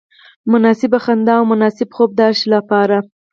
مناسبه خندا او مناسب خوب د هر شي لپاره.